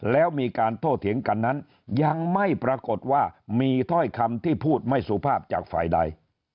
แล้วมีการโต้เถียงกันนั้นยังไม่ปรากฏว่ามีถ้อยคำที่พูดไม่สุภาพจากฝ่ายใด